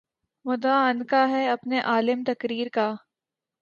مدعا عنقا ہے اپنے عالم تقریر کا